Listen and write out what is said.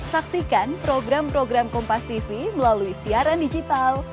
saksikan program program kompastv melalui siaran digital